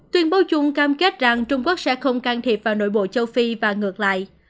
tuyên bố chung cam kết rằng trung quốc sẽ không can thiệp vào nội bộ châu phi và ngược lại